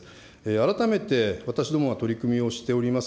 改めて私どもが取り組みをしております